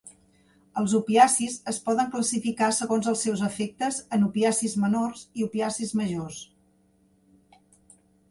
Els opiacis es poden classificar segons els seus efectes en opiacis menors i opiacis majors.